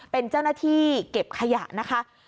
เป็นเจ้าหน้าที่เก็บขยะนะคะ